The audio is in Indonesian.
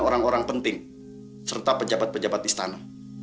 orang orang penting serta pejabat pejabat istana